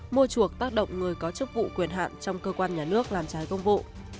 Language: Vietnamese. mua chuộc tác động người có chức vụ quyền hạn trong cơ quan nhà nước làm trái công vụ